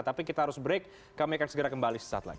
tapi kita harus break kami akan segera kembali sesaat lagi